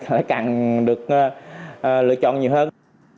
lại càng được lựa chọn nhiều hơn